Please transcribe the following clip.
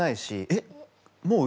えっ？